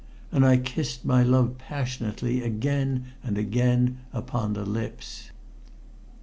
And I kissed my love passionately again and again upon the lips.